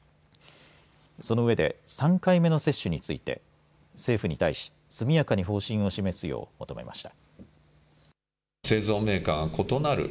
そのうえで３回目の接種について政府に対し速やかに方針を示すよう求めました。